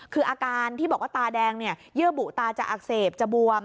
คืออาการที่บอกว่าตาแดงเยื่อบุตาจะอักเสบจะบวม